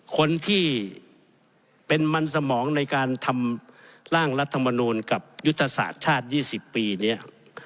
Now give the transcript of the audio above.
คนที่เป็นมันสมองในการทำร่างรัฐมนูลกับยุทธศาสตร์ชาติ๒๐ปีเนี่ย